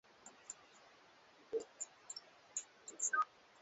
kwa sasa kuna mgogoro baina ya mtandao wa wiki leaks